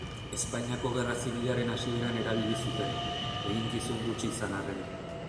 Espainiako Gerra Zibilaren hasieran erabili zuten, eginkizun gutxi izan arren.